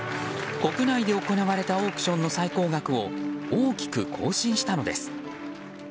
国内で行われたオークションの最高額を大きく更新したのです。